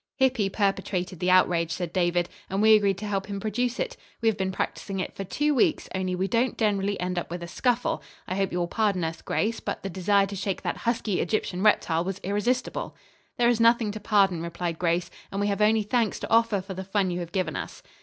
"Hippy perpetrated the outrage," said David "and we agreed to help him produce it. We have been practising it for two weeks, only we don't generally end up with a scuffle. I hope you will pardon us, Grace, but the desire to shake that husky Egyptian reptile was irresistible." "There is nothing to pardon," replied Grace, "and we have only thanks to offer for the fun you have given us."